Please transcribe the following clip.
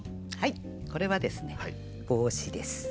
これはですね帽子です。